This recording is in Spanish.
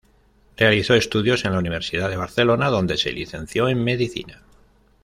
Realizó estudios en la Universidad de Barcelona, donde se licenció en medicina.